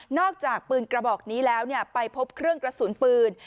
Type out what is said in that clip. อกจากปืนกระบอกนี้แล้วไปพบเครื่องกระสุนปืน